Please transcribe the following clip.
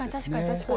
確かに。